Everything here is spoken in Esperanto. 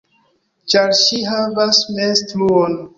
Ĉar ŝi havas mens-truon.